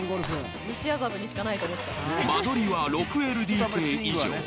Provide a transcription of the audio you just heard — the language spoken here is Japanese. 間取りは６ＬＤＫ以上。